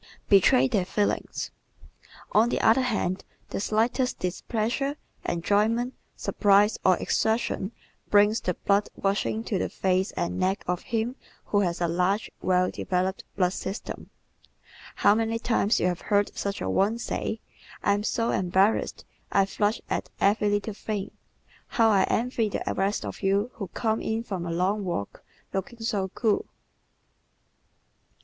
Betray Their Feelings ¶ On the other hand, the slightest displeasure, enjoyment, surprise or exertion brings the blood rushing to the face and neck of him who has a large, well developed blood system. How many times you have heard such a one say: "I am so embarrassed! I flush at every little thing! How I envy the rest of you who come in from a long walk looking so cool!"